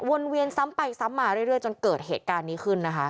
เวียนซ้ำไปซ้ำมาเรื่อยจนเกิดเหตุการณ์นี้ขึ้นนะคะ